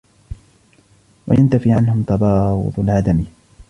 وَيَنْتَفِي عَنْهُمْ تَبَاغُضُ الْعَدَمِ